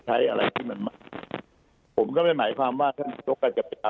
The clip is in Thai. ใช้อะไรที่มันมากผมก็ไม่หมายความว่าแทนนท์ศุตรกว่าการใจภาพ